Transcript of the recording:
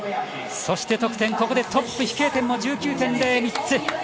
そして得点、ここでトップ飛型点も１９．０、３つ。